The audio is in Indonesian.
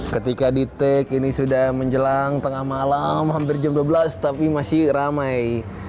ketika di take ini sudah menjelang tengah malam hampir jam dua belas tapi masih ramai